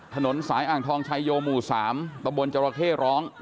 ถนนสายอ่างทองชายโยหมู่๓ตะบนจรเข้ร้อง